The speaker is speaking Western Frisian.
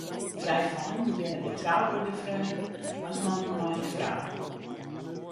Frijfeinten binne betrouberder freonen as mannen mei in frou.